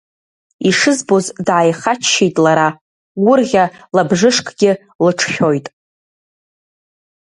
Ишызбоз дааихаччеит лара, гәырӷьа лабжышкгьы лыҿшәоит…